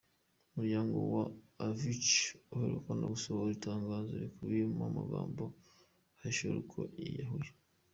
Umuryango wa Avicii waherukaga gusohora itangazo rikubiyemo amagambo ahishura ko yiyahuye.